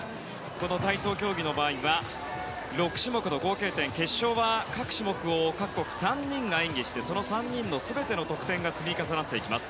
この体操競技の場合は６種目の合計点決勝は各種目を各国３人が演技して、その３人の全ての得点が積み重なっていきます。